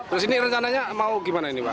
di sini rencananya mau gimana ini pak